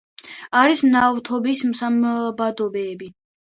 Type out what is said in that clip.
არის ნავთობის საბადოები.